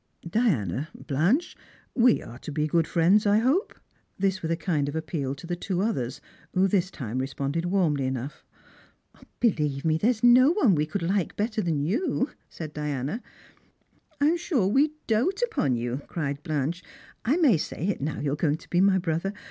" Diana, Blanche, we are to be good friends, I hope ?" This with a kind of appeal to the two others, who this time responded warmly enough. " Believe me there is no one we could like better than you," said Diana, " I'm sure we doat upon you," cried Blanche. " I may say it now you are going to be my brother.